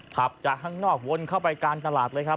จากข้างนอกวนเข้าไปกลางตลาดเลยครับ